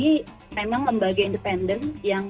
ini memang lembaga independen